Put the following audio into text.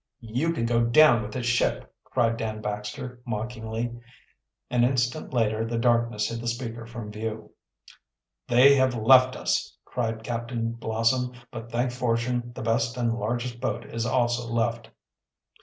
"You can go down with the ship!" cried Dan Baxter mockingly. An instant later the darkness hid the speaker from view. "They have left us," cried Captain Blossom. "But, thank fortune, the best and largest boat is also left."